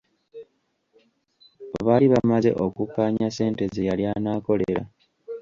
Baali bamaze okukkaanya ssente zeyali anaakolera!